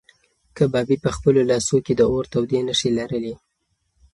کبابي په خپلو لاسو کې د اور تودې نښې لرلې.